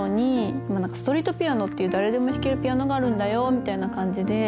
「っていう誰でも弾けるピアノがあるんだよ」みたいな感じで。